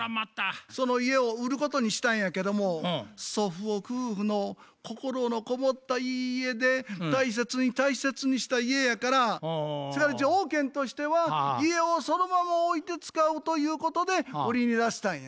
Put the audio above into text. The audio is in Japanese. その家を売ることにしたんやけども祖父母夫婦の心のこもったいい家で大切に大切にした家やから条件としては家をそのままおいて使うということで売りに出したんや。